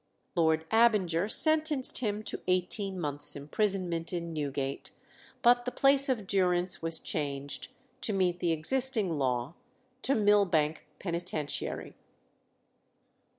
Lord Abinger sentenced him to eighteen months' imprisonment in Newgate, but the place of durance was changed, to meet the existing law, to Millbank Penitentiary.